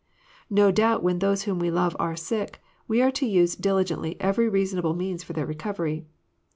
No doubt when those whom we love are sick, we are to use diligently every reasonable means for their recovery.